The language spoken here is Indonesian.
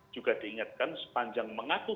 juga diingatkan sepanjang mengaku